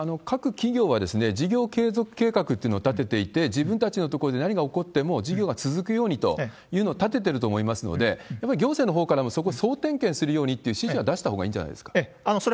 各企業は事業継続計画というのを立てていて、自分たちのところで何が起こっても事業が続くようにというのを立ててると思いますので、やっぱり行政のほうからも、そこ、総点検するようにっていう指示は出したほうがいいんじゃないですか？